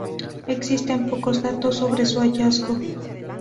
Existen pocos datos sobre su hallazgo.